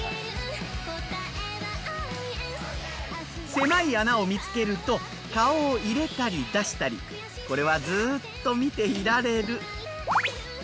狭い穴を見つけると顔を入れたり出したりこれはずっと見ていられる。